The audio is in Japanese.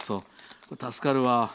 助かるわ。